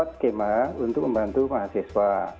skema untuk membantu mahasiswa